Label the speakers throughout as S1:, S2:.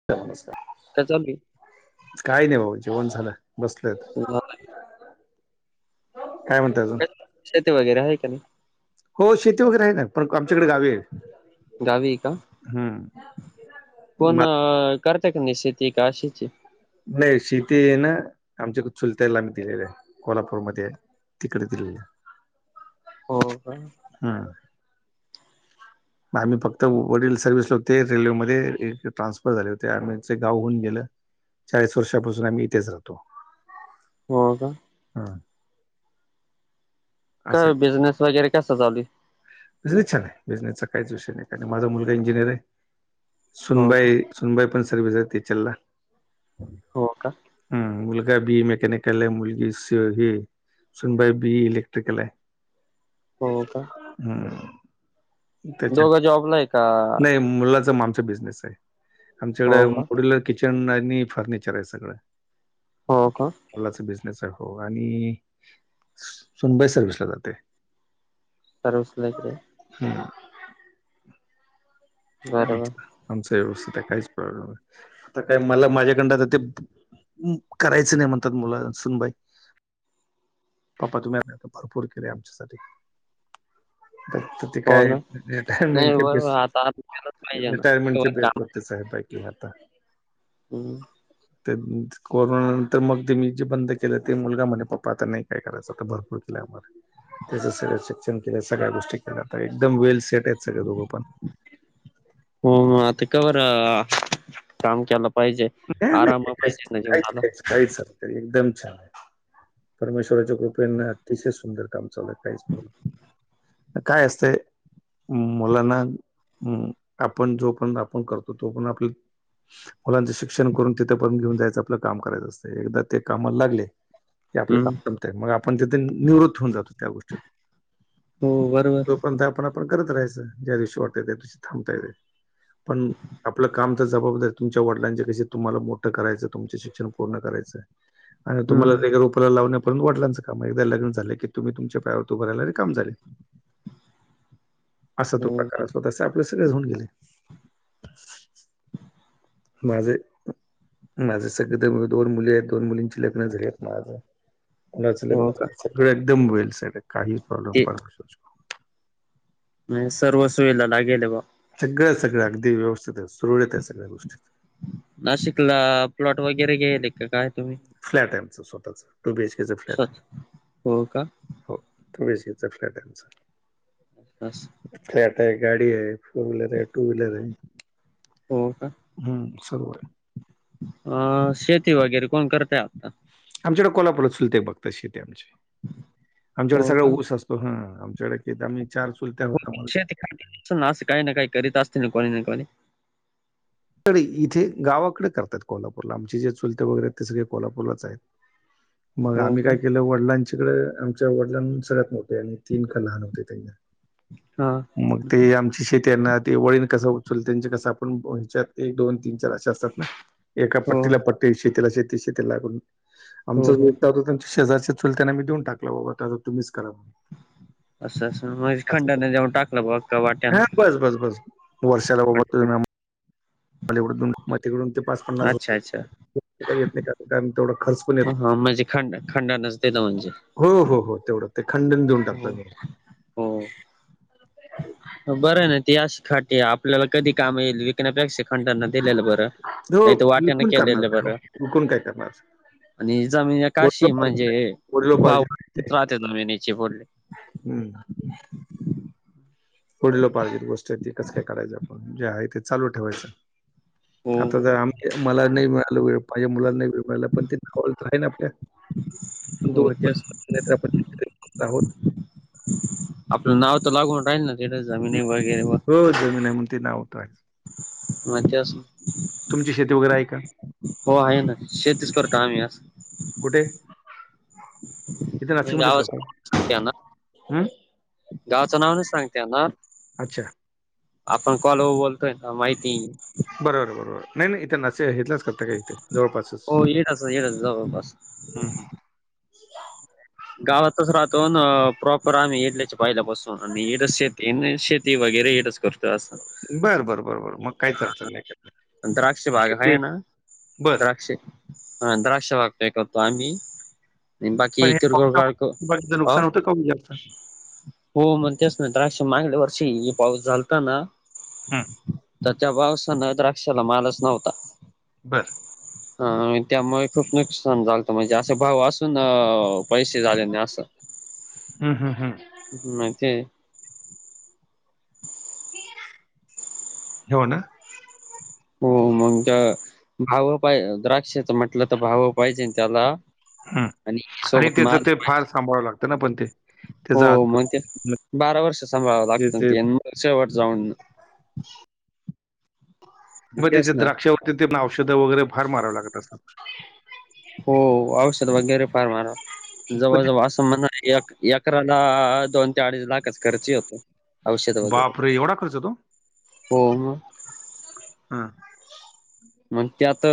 S1: [unintelligible] नमस्कार.
S2: काय चालू हे?
S1: काही नी हो भाऊ जेवण झालं बसलोयत.
S2: ला [unintelligible]
S1: काय म्हणताय अजून?
S2: शेती वगैरे आहे का नाही?
S1: हो शेती वगैरे आहे ना पण आमच्याकडे गावी आहे.
S2: गावी आहे का
S1: हम्म
S2: कोण करताय की नाही शेती का अशीच आहे?
S1: नाही शेती आहे ना आमच्या चुलत्याला आम्ही दिलेले आहे कोल्हापूरमध्ये आहे. तिकडे दिलय.
S2: हो.
S1: हम्म. आम्ही फक्त वडील सर्विसला होते रेल्वेमध्ये ट्रान्सफर झाले होते आम्हीचे गाव होऊन गेलं चाळीस वर्षापासून आम्ही इथेच राहतो.
S2: हो का?
S1: हा [unintelligible]
S2: काय ओ बिझनेस वगैरे कसं चालू आहे?
S1: बिझनेस छान आहे बिझनेसचा काहीच विषय नाही कारण माझा मुलगा इंजिनियर आहे
S2: हो का?
S1: सुनबाई सुनबाई पण सर्विस ला आहे टीचर ला.
S2: हो का?
S1: हम् मुलगा बी मेकॅनिकल आहे मुलगी हे सुनबाई बीयी इलेक्ट्रिकल आहे.
S2: हो का?
S1: हम्
S2: दोघं
S1: त्याच्यात
S2: जॉबला आहे का?
S1: नाही मुलाचा म आमचा बिझनेस आहे. आमच्याकडें
S2: हो का?
S1: माँड्युलर किचन आणि फर्निचर आहे सगळं.
S2: हो का?
S1: मुलाचा बिझनेस आहे हो आणि सुनबाई सर्विसला जाते.
S2: सर्विस ला इकडे आहे.
S1: हम.
S2: बरोबर.
S1: आमच व्यवस्थित हाय काहीच प्रॉब्लेम नाही. काय मला माझ्याकडंन आता ते करायचं नाही म्हणतात मुला सुनबाई. पप्पा तुम्ही [unintelligible] आता भरपूर केले आमच्यासाठी ते
S2: हो
S1: काय
S2: ना. नाही
S1: रिटायरमेंटचे
S2: बरोबर
S1: बेस्
S2: आता आत केलंच पाहिजे ना.
S1: रिटायरमेंट ची
S2: कवर
S1: बेस
S2: काम
S1: वरती ते साहेब आहेत की आता.
S2: हम्.
S1: कोरोना नंतर मग ते मी जे बंद केलं ते मुलगा म्हणे पप्पा आता नाही काय करायचं भरपूर केलं आम त्याच सगळ शिक्षण केलं सगळ्या गोष्टी केल्या एकदम वेल सेट आहेत सगळ दोघं पण.
S2: हो हो आता का बरं काम केलं पाहिजे आराम पाहिजे ना जीवनाला.
S1: काही [unintelligible] एकदम छान. परमेश्राच्या कृपेना अतिशय सुंदर काम चालूय काहीच प्रॉब्लेम काय असतंय मुलांना आपण जो पण आपण करतो तो पर्यंत आपल्या मुलांचं शिक्षण करून तिथं पर्यत घेऊन जायचं आपलं काम कराय असतंय एकदा ते कामाला लागले ते आपलं
S2: हं.
S1: काम संत मग आपण तिथे निवृत्त होऊन जातो त्या गोष्टीत
S2: हो बरोबरे.
S1: आपण करत राहायचं ज्या दिवशी वाटतय त्या दिवशी थांबता येते. आपलं कामच जबाबदारी तुमच्या वडिलांच्या कशी तुम्हाला मोठं करायचं तुमच शिक्षण पूर्ण करायचं आणि तुम्हाला
S2: हं.
S1: रेगारूपेला लावण्यापर्यंत वडलांच क एकदा लग्न झाले की तुम्ही तुमच्या पायावर उभ रायला रिकामे झाले. असं तो
S2: हो.
S1: प्रकार असो तंस आपल्या सगळेच होऊन गेले. माझ. माझं सगळे तर दोन मुली आहेत दोन मुलींची लग्न झाली आहेत माझं. मुलाचं लग्न
S2: हो का?
S1: झालंय सगळं सगळे एकदम [unintelligible] काही प्रॉब्लेम
S2: ते
S1: पण नाही.
S2: ना सर्व सोयला लागेल बा.
S1: सगळं सगळं अगदी व्यवस्थित आहे सुरळीत आहे सगळ्या गोष्टी.
S2: नाशिकला प्लॉट वगैरे घेल का काय तुम्ही.
S1: फ्लॅट आहे आमचं स्वतःच टू बीएचकेचा फ्लॅट
S2: स्वतः
S1: आहे.
S2: हो का
S1: हो टू बीएचकीचा फ्लॅट आहे आमचा.
S2: तास
S1: फ्लॅट आहे गाडी आहे फोर व्हीलर आहे. टू व्हीलर आहे
S2: हो का
S1: हम्म सर्व आहे.
S2: अ शेती वगैरे कोण करतय आता.
S1: आमच्याकडे कोल्हापूरात चुलते बघतात शेते आमची आमच्याकडे
S2: हो
S1: सगळ
S2: का
S1: ऊस अस त हा आमच्याकडे आम्ही चार चुलत्या होत त्यामुळे.
S2: अस नां काही ना काही करीत असतील ना कोणी ना कोणी.
S1: डे इथे गावाकडे करतात कोल्हापूरला आमचे जे चुलते वगैरे आहेत ते सगळे कोल्हापूरलाच आहेत. [inaudible] मग
S2: हो
S1: आम्ही
S2: का
S1: काय केलं वडिलांच्याकडें आमच्या वडलां सगळ्यात मोठे आणि तीन लहान होते त्यांना.
S2: हा
S1: मग ते आम शेतीना ते वळण कस उचल त्यांचे कस आपण हच्यात दोन तीन चार असशे असतात ना. एका
S2: हो
S1: पट्टीला पट्टी शेतीला शेती शेतीला लागून
S2: हो
S1: आमचा जो
S2: हो
S1: एक होत त्यांच्या शेजारच्या चुलत्यांना मी देऊन टाकला बाबा तुममिस करा.
S2: असं असं म्हगजे
S1: असं केलं.
S2: खंडाने जाऊन टाकलं बघ. का वाट्यानं
S1: हा बस बस वर्षाला बाबा
S2: खंड
S1: तुम्ही आम्हाला. मला एव मकडून ते पाच
S2: अच्छा अच्छा
S1: पन्नासजार येत नाही कारण तेवढा खर्च पण येत
S2: हा हा म्हणजे खंड खंड नच देत म्हणजे.
S1: हो हो हो तेवढं ते खंडन देऊन टाकतोय मी.
S2: हो हो. बरं ना ती आच खाटी आपल्याला कधी काम येईल ण्यापेक्षा खंडना दिलेलं बरं
S1: हो
S2: नाही तर वाट्यान
S1: विकून करणार
S2: केलेलं
S1: काय हो
S2: बरं.
S1: विकून काय करणार
S2: आणि जमीन
S1: वडिलोपार्जित
S2: म्हणजे
S1: आहे. वडिलोपार्जित आहे
S2: गवच
S1: ते.
S2: राहते जमिनीची बोलली.
S1: हम्म. वडिलो पारजीत गोष्ट आहे ती तस काय काढयची आपण जे आहे ते चालू ठेवायचं.
S2: हो
S1: आता आम्ही मला नाही मिळाल वेळ पाहिजे मुलाला नाही वेळ मिळाला पण ति कॉल होतं का नाही आपल्या.
S2: हो
S1: दूध पण
S2: तेच.
S1: नाहीतर आपण शेतकरी माणसं आहोत.
S2: आपलं नाव तर लागून राहील ना ते जमिनी वगैरे व.
S1: हो जमीन मग ते नावत आहे.
S2: मत्यावस.
S1: तुमची शेती वगैरे आहे का?
S2: हो आहे ना शेतीच करतो आम्ही आस.
S1: कुठे इतके
S2: नाही
S1: नाशिक मध्येच करताय
S2: गावाचं सांगते ना
S1: का.
S2: गावाचं नाव नाही सांगते ना.
S1: अच्छा
S2: आपण कॉल वर बोलतोय ना माहिती.
S1: बरोबर बरोबर नाही नाही इथे नसे हेतलाच करता का इथे जवळपासच.
S2: हो येडच येडच जवळपास
S1: हम्म.
S2: गावातच राहतो आन प्रॉपर आम्ही येडल्याच्या पाईला बसून आणि येडस शेत इने शेती वगैरे येडस करतो असं.
S1: बरं बरं बरं बरं मग काहीच अडचण नाही काय
S2: द्राक्षची बाग
S1: शेती
S2: आहे ना
S1: बर
S2: द्राक्ष हा द्राक्ष बाग तय करतो आम्ही. एन बाकी
S1: पण हे
S2: इतर गोळगाडको
S1: पावसामुळे बाकीचं
S2: आ.
S1: नुकसान होतं का ओ जास्त?
S2: हो मन तेच ना द्राक्ष माझ्याकडं वर्षी पाऊस झालताना
S1: हम्म.
S2: तर त्या पावसानं द्राक्षाला मालच नव्हता.
S1: बरं
S2: हा आणि त्यामुळे खूप नुकसान झालतं म्हणजे असे भाव असून पैसे झालेने असं.
S1: हम्म हम्म हम्म.
S2: माहितेय ह
S1: ह्यो ना.
S2: हो मंग त्या भाव पा द्राक्षाच म्हटलं तर भाव पाहिजेन त्याला.
S1: हम्म आणि
S2: सोबत
S1: त्याचं
S2: माल
S1: ते फार सांभाळवं लागतं ना पण ते.
S2: हो
S1: त्याचा
S2: मग ते बारा वर्ष सांभाळावं लागतं तेन म शेवट जाऊन
S1: म
S2: तेच
S1: तिथं
S2: ना
S1: द्राक्षावरती ते पण औषधं वगैरे फार माराव लागत असतात.
S2: हो औषध वगैरे फार मारवा
S1: पण
S2: जवळ
S1: ते
S2: जवळ अस [unintelligible] एक एकरा ला दोन ते अडीच लाखाच खर्च येतो. औषध वगैरे
S1: बापरे एवढा खर्च होतो?
S2: हो म.
S1: हा.
S2: मग त्यात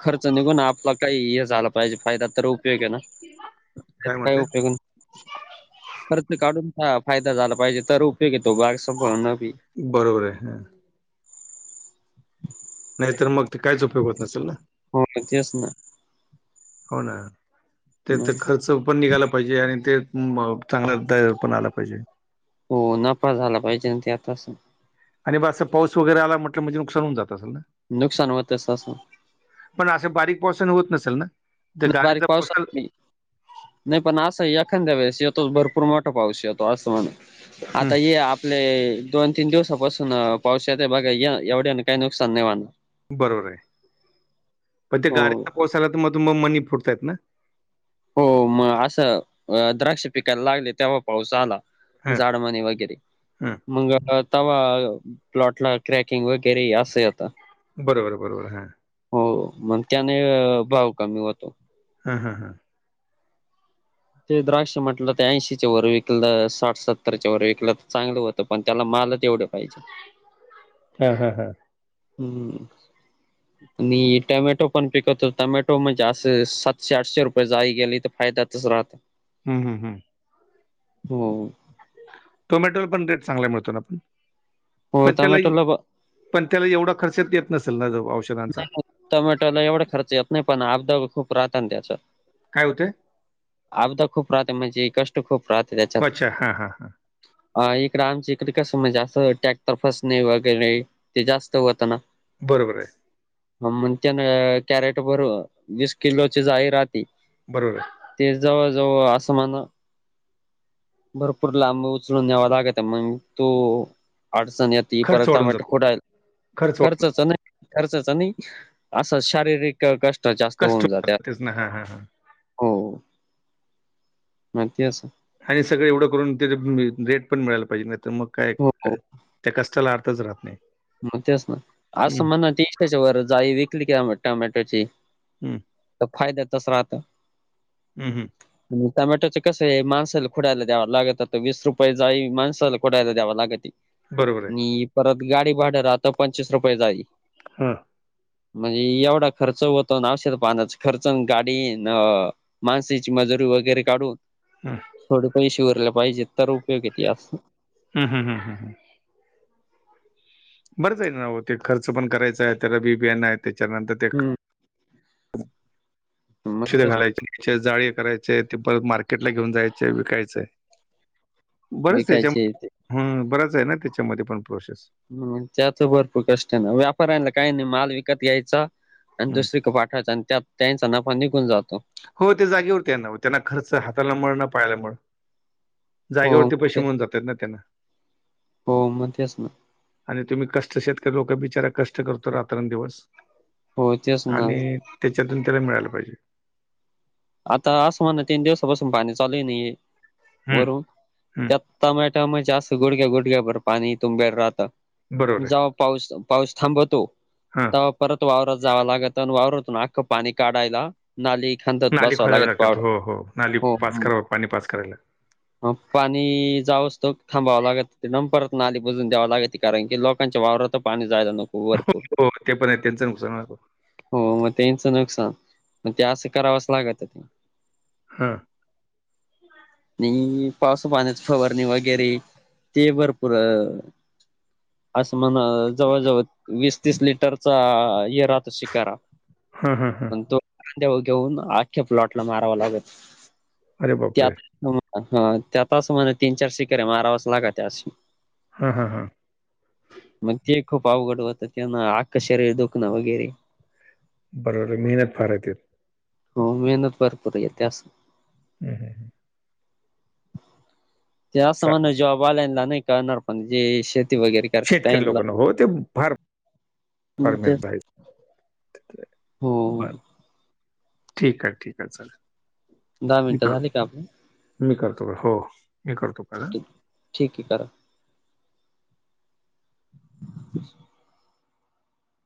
S2: खर्च निघून आपला काही हे झालं पाहिजे फायदा तर उपयोग आहे नाहीतर काय उपयोग ना. खर्च काढून फा फायदा झाला पाहिजे तर उपयोग येतो बाग संपनं बी.
S1: बरोबर आहे हा. नाही तर मग ते काहीच उपयोग होत नसले ना.
S2: होय तेच ना.
S1: हो ना ते तर
S2: हं.
S1: खर्च पण निघाला पाहिजे आणि ते म चांगला दर पण आला पाहिजे.
S2: हो नफा झाला पाहिजे ना ते आता असं.
S1: आणि ब असं पाऊस वगैरे आला म्हटलं म्हणजे नुकसान होन जात असेल ना?
S2: नुकसान होतेस असं.
S1: पण असं बारीक पावसण होत नसेल ना? ते
S2: नाही बारीक
S1: गाडीचा पाऊस
S2: पाऊसा [inaudible]
S1: आला
S2: मी. नाही पण असं एखांद्या वळेस येतोच भरपूर मोठा पाऊस येतो असं म्हणे आता
S1: हं
S2: ये आ पले दोन तीन दिवसापासून पावसात बघा या एवढ्याने आणि काही नुकसान नाही होणार.
S1: बरोबर आहे पण त्या
S2: हो
S1: गाड्याला पोचायला तर म तु म मनी फुटतायत ना.
S2: हो मग असं द्राक्ष पिकायला लागले तेव्हा पाऊसा आला
S1: हं,
S2: जाड म्हणे वगैरे
S1: हं.
S2: मग तवा प्लॉटला क्रॅकिंग वगैरे असं यंत.
S1: बरोबर आहे बरोबर हा.
S2: हो मग त्याने भाव कमी होतो.
S1: हं हं.
S2: ते द्राक्ष म्हटलं ते ऐंशीच्या वर विकलं साठ सत्तरच्या वर विकलं तर चांगलं हो. पण त्याला मालच तेवढे पाहिजे.
S1: ह ह ह.
S2: हम्म. आणि टोमॅटो पण पिकतो टोमॅटो म्हणजे असं सातशे आठशे रुपये जाई गेली तर फायद्याचच राह.
S1: हम्म हम् हम्म‌.
S2: हो.
S1: टोमॅटोला पण रेट चांगला मिळतो ना आपण
S2: हो
S1: पण त्याला
S2: टोमॅटोला ब
S1: पण त्याला एवढा खर्चात येत नसेल नऔ
S2: नाही टोमॅटोला एवढा खर्च येत नाही पण अब दा खूप राहत न त्याचा‌त.
S1: काय होते.
S2: अबदा खूप राहते म्हणजे कष्ट खूप राहते त्याच्यात.
S1: अच्छा हां, हां, हां.
S2: अ इकडे आमच इकडे कसं म्हणजे अस टॅक्टर फसणे वगैरे ते जास्त होतं ना.
S1: बरोबर आहे.
S2: ह म्हण त्या कॅरेट भर वीस किलोची जाळी राहते.
S1: बरोबर आहे.
S2: ते जवळजवळ असं म्हणा भरपूर लांब उचलून न्यावा लागत मग तो अडचण येत. त
S1: खर्च
S2: परत
S1: वाढून जातो.
S2: खोडायला
S1: खर्च वाढून
S2: खर्चच नाही खर्चच नाही असं शारीरिक कष्ट जास्त
S1: कष्ट
S2: होऊन जा त्यात
S1: वाढतात तेच ना. हां, हां, हां.
S2: हो. मग तेच
S1: आणि सगळं एवढं करून रेट पण मिळायला पाहिजे नाही तर मग काय
S2: हो.
S1: त्या कष्टाला अर्थच राहत नाही.
S2: मग तेच ना आज
S1: हं,
S2: म्हण तीच्या वर जाई विकली क टोमॅटोची.
S1: हंम.
S2: तर फायद्यातच राहत.
S1: हम हम.
S2: आणि टोमॅटोच कसं आहे माणसाला खुडयला द्यावं लागत वीस रुपये जाई माणसाला खुडायला द्यावं लागती.
S1: बरोबर आहे.
S2: परत गाडी भाड राहत पंचवीस रुपये जाळी.
S1: हा.
S2: म्हणजे एवढा खर्च होतो ना खर्च गाडीन माणसेची मजुरी वगैरे काढून.
S1: हां
S2: थोडे पैसे उरले पाहिजे तर उपयोग त्यास.
S1: हम हं हम. बरंच ना ते खर्च करायचा आहे त्याला बी बीयान आहे त्याच्यानंतर ते.
S2: हम्म मग
S1: शिध
S2: तेच
S1: घालायचे. जाळी करायचे ते परत मार्केट ला घेऊन जायचे विकायचंय. बरंच त्याच्या
S2: विकायचे.
S1: ह बराच आहे ना त्याच्यामध्ये पण प्रोसेस.
S2: हम त्याच भरपूर कष्ट आहे न व्यापाऱ्यांला काही नाही माल विकत घ्यायचा. अन्
S1: हं.
S2: दुसरीक पाठवायचं आणि त्या त्यांचा नफा निघून जातो.
S1: हो ते जागेवरती ना त्यांना खर्च हाताला मळ ना पायाला मळ.
S2: हो
S1: जागेवरती पैसे
S2: तेच
S1: मिळून जातात ना त्यांना.
S2: हो म तेच ना.
S1: आणि तुम्ही कष्ट शेतकरी लोक बिचारा कष्ट करतो रात्रंदिवस.
S2: हो तेच ना
S1: आणि त्याच्यातून तरी मिळालं पाहिजे.
S2: आता असं म्हणण तीन दिवसापासून पाणी चालू हाए
S1: हम्म
S2: वरून त्यात
S1: हम्म
S2: टमाॅटम जास्त गुडग्या गुडघ्या भर पाणी तुम बेल राहतं.
S1: बरोबर आहे.
S2: जो पाऊस पाऊस थांबतो.
S1: हा.
S2: तवापरत वावरत जाव लागत आणि वावरत ना आख्खं पाणी काढायला नाली ख
S1: नाली खोदावव लागतात हो हो नाली पास करावं पाणी पास कराय ला.
S2: ह पाणी जाव असतो थांबावं लागत नंपरत नाली बजून द्यावं लागती. कारण की लोकांच्या वावरात पाणी जायला नको. भरपूर
S1: होहो ते पण आहे त्यांचं नुकसान व्हायला नको.
S2: हो मग त्यांचं नुकसान मग ते असं करावच लागत ते.
S1: हं.
S2: नइ पावस पाण्याच फवारणी वगैरे ते भरपूर अ असं म्हण जवळजवळ वीस तीस लिटरचा य राहतो शिकारा.
S1: हं हां हां.
S2: पण तो कांद्यावर घेऊन अख्या प्लॉटला मारावा लागतो
S1: अरे बापरे!
S2: त्यात हा त्यात असं म्हण तीन-चार शिकाऱ्या मारावच लागत्या अशी.
S1: हं हं हं.
S2: मग ते खूप अवघड होतं त्यानं अख्क शरीर दुखणं वगैरे.
S1: बरं बरं मेहनत फार हाय त्यात.
S2: हो मेहनत भरपूर आहे त्यास.
S1: हम.
S2: ते असं
S1: चा
S2: म्हणा जॉब वाल्यांना नाही कळणार पण शेती वगैरे करते
S1: शेतकरी
S2: त्यांना.
S1: लोकांना होते फार
S2: हो
S1: [unintelligible] ठीक है ठीक है चालेल.
S2: दहा
S1: मी
S2: मिनटं
S1: कर
S2: झाली का आपण.
S1: मी करतो का हो मी करतो काल.
S2: ठीक आहे करा. [inaudible]